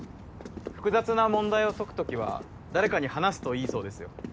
・複雑な問題を解くときは誰かに話すといいそうですよ。